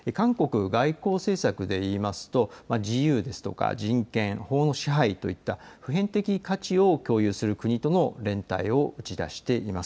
韓国外交政策でいうと自由ですとか人権、法の支配といった普遍的価値を共有する国との連帯を打ち出しています。